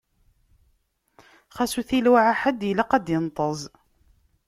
Xas ur t-iluɛa ḥedd, ilaq ad d-inṭeẓ.